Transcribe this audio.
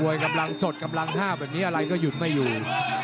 กำลังสดกำลังท่าแบบนี้อะไรก็หยุดไม่อยู่